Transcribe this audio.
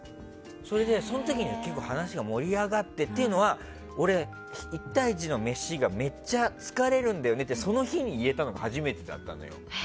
それで、その時に結構、話が盛り上がってというのは俺、１対１の飯がめっちゃ疲れるんだよねってその日に言えたのが初めてだったの。